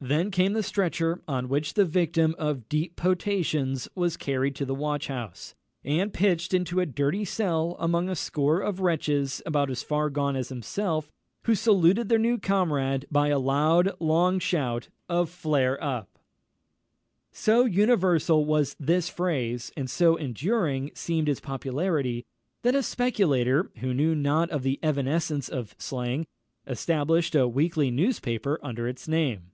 Then came the stretcher, on which the victim of deep potations was carried to the watch house, and pitched into a dirty cell, among a score of wretches about as far gone as himself, who saluted their new comrade by a loud, long shout of flare up! So universal was this phrase, and so enduring seemed its popularity, that a speculator, who knew not the evanescence of slang, established a weekly newspaper under its name.